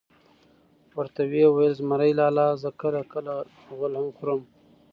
ورته وئې ویل: زمرى لالا زه کله کله غول هم خورم .